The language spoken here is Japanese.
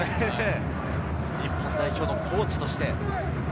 日本代表のコーチとして。